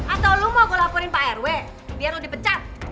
atau lo mau laporin pak rw biar lo dipecat